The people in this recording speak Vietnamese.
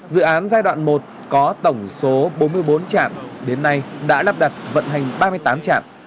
dự án giai đoạn một có tổng số bốn mươi bốn trạm đến nay đã lắp đặt vận hành ba mươi tám trạm